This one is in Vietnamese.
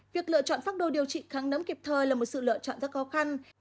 việc lựa chọn phác đồ điều trị kháng nấm kịp thời là một sự lựa chọn rất khó khăn